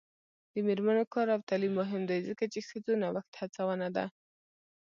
د میرمنو کار او تعلیم مهم دی ځکه چې ښځو نوښت هڅونه ده.